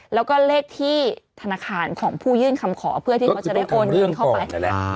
แล้วก็เลขที่ธนาคารของผู้ยื่นคำขอเพื่อที่เขาจะได้โอนเงินเข้าไป